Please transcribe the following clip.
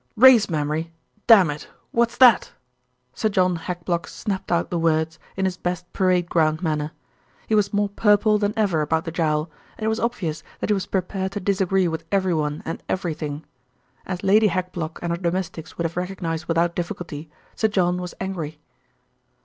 "Race memory! Dammit! what's that?" Sir John Hackblock snapped out the words in his best parade ground manner. He was more purple than ever about the jowl, and it was obvious that he was prepared to disagree with everyone and everything. As Lady Hackblock and her domestics would have recognised without difficulty, Sir John was angry.